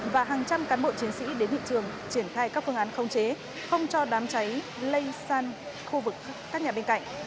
và hàng trăm cán bộ chiến sĩ đến thị trường triển thai các phương án không chế không cho đám cháy lây san khu vực khác nhà bên cạnh